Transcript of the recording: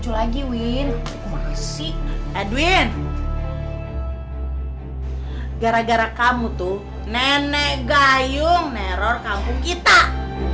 kalau kamu udah first time assistis